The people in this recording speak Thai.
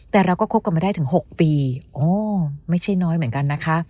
แต่เราก็คบกันมาได้ถึง๖ปีโอ้ไม่ใช่น้อยเหมือนกันนะคะ